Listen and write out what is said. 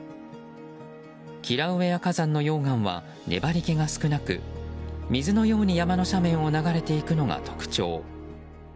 キラウエア火山の溶岩は粘り気が少なく水のように山の斜面を流れていくのが特徴。